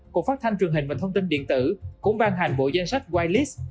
cộng phát thanh truyền hình và thông tin điện tử cũng ban hành bộ danh sách white list